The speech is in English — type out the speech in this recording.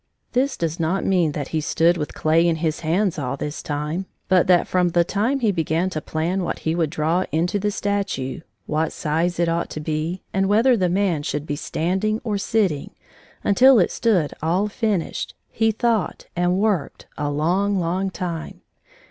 This does not mean that he stood with clay in his hands all this time, but that from the time he began to plan what he would draw into the statue, what size it ought to be, and whether the man should be standing or sitting, until it stood all finished, he thought and worked a long, long time.